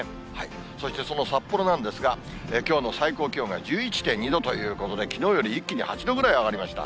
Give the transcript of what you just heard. そしてその札幌なんですが、きょうの最高気温が１１．２度ということで、きのうより一気に８度ぐらい上がりました。